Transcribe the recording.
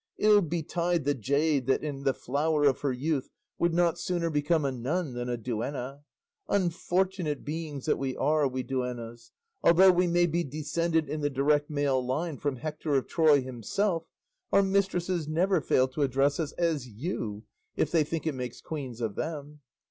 Ill betide the jade that in the flower of her youth would not sooner become a nun than a duenna! Unfortunate beings that we are, we duennas! Though we may be descended in the direct male line from Hector of Troy himself, our mistresses never fail to address us as 'you' if they think it makes queens of them.